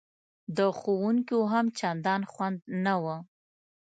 د ښوونکیو هم چندان خوند نه و.